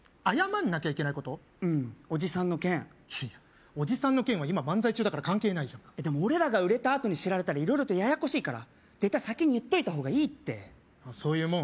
うんおじさんの件いやいやおじさんの件は今漫才中だから関係ないじゃんでも俺らが売れたあとに知られたら色々とややこしいから絶対先に言っといた方がいいってそういうもん？